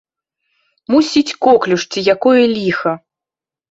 Мусіць коклюш ці якое ліха.